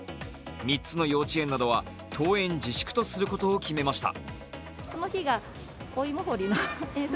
３つの幼稚園などは登園自粛とすることを決めました。